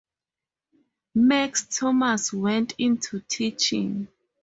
Max Thomas went into teaching.